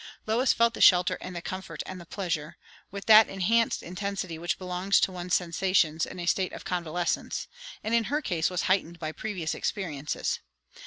Lois felt the shelter and the comfort and the pleasure, with that enhanced intensity which belongs to one's sensations in a state of convalescence, and in her case was heightened by previous experiences.